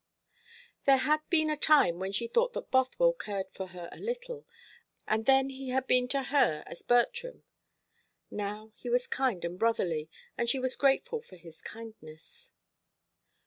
There had been a time when she thought that Bothwell cared for her a little, and then he had been to her as Bertram. Now he was kind and brotherly, and she was grateful for his kindness.